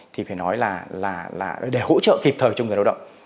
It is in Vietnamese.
thì phải nói là để hỗ trợ kịp thời cho người lao động